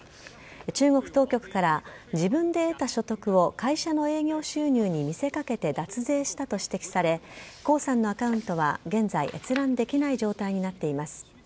中国当局から自分で得た所得を会社の営業収入に見せかけて脱税したと指摘され、黄さんのアカウントは、現在、閲覧できない状態になっています。